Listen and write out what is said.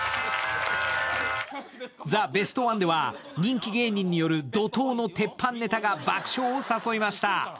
「ザ・ベストワン」では人気芸人による怒とうの鉄板ネタが爆笑を誘いました。